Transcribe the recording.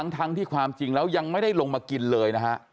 ทั้งที่ความจริงแล้วยังไม่ได้ลงมากินเลยนะฮะ